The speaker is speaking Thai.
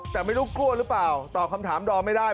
แต่ไม่รู้กลัวหรือเปล่าตอบคำถามดอมไม่ได้